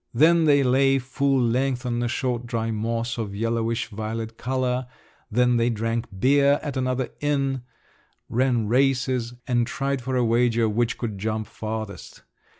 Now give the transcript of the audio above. Then they lay full length on the short dry moss of yellowish violet colour; then they drank beer at another inn; ran races, and tried for a wager which could jump farthest.